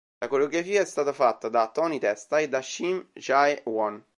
La coreografia è stata fatta da Tony Testa e da Shim Jae-won.